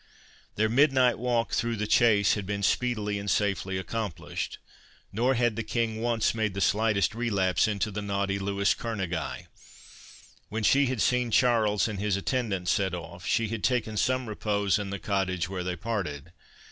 Their midnight walk through the Chase had been speedily and safely accomplished. Nor had the King once made the slightest relapse into the naughty Louis Kerneguy. When she had seen Charles and his attendant set off, she had taken some repose in the cottage where they parted.